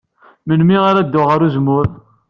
Melmi ara ddun ɣer uzemmur?